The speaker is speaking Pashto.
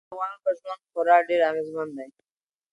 پسه د افغانانو په ژوند خورا ډېر اغېزمن دی.